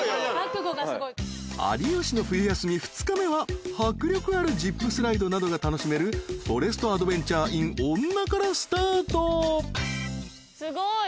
［有吉の冬休み２日目は迫力あるジップスライドなどが楽しめるフォレストアドベンチャーＩＮ恩納からスタート］